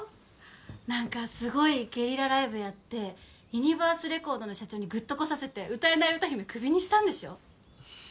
何かすごいゲリラライブやってユニバースレコードの社長にグッとこさせて歌えない歌姫クビにしたんでしょ？